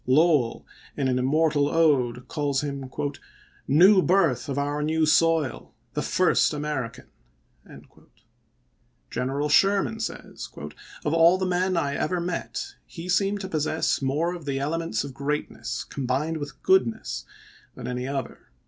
Lowell, in an immortal ode, calls him " New birth of our new soil, the first Ameri can." General Sherman says, " Of all the men I ever met, he seemed to possess more of the ele ments of greatness, combined with goodness, than any other."